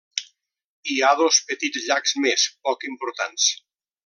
Hi ha dos petits llacs més poc importants.